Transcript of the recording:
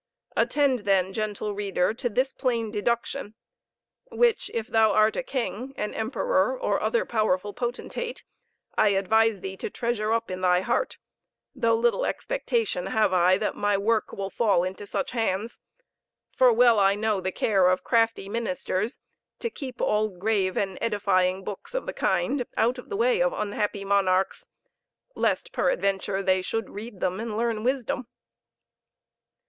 Attend then, gentle reader, to this plain deduction, which, if thou art a king, an emperor, or other powerful potentate, I advise thee to treasure up in thy heart, though little expectation have I that my work will fall into such hands; for well I know the care of crafty ministers, to keep all grave and edifying books of the kind out of the way of unhappy monarchs, lest peradventure they should read them and learn wisdom.